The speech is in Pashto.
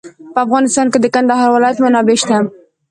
په افغانستان کې د کندهار ولایت منابع شته.